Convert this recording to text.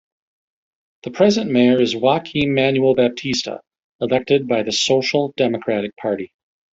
The present Mayor is Joaquim Manuel Baptista, elected by the Social Democratic Party.